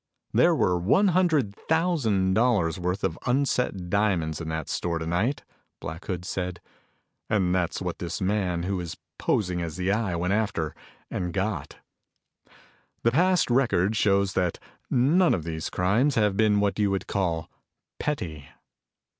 "There were one hundred thousand dollars worth of unset diamonds in that store tonight," Black Hood said. "And that's what this man who is posing as the Eye went after and got. The past record shows that none of these crimes have been what you could call petty."